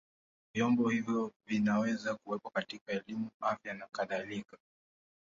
Vyombo hivyo vinaweza kuwepo katika elimu, afya na kadhalika.